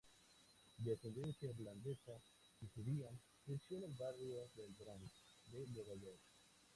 De ascendencia irlandesa y judía, creció en el barrio del Bronx, de Nueva York.